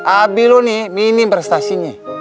abi lu nih minim prestasinya